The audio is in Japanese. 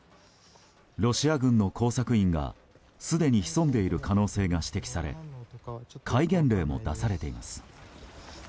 ロシア軍の工作員がすでに潜んでいる可能性が指摘され戒厳令も出されています。